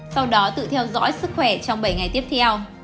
sau đó tự theo dõi sức khỏe trong bảy ngày tiếp theo